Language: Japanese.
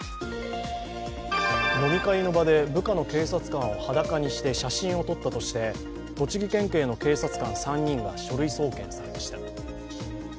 飲み会の場で部下の警察官を裸にして写真を撮ったとして栃木県警の警察官３人が書類送検されました。